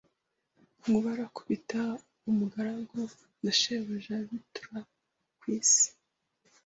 Nkuba arakubita umugaragu na shebuja bitura ku isi